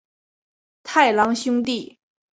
太郎兄弟。